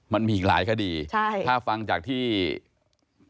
มันมีอีกหลายคดีใช่ถ้าฟังจากที่